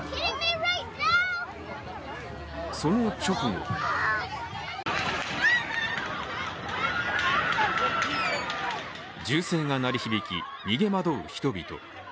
その直後銃声が鳴り響き、逃げ惑う人々。